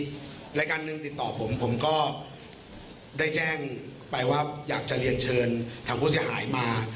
มีแรการติดตอบกันหนึ่งผมก็ได้แจ้งอยากจะเรียนเชิญทางผู้เสียหายมา